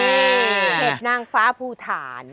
เห็ดนางฟ้าภูฐาน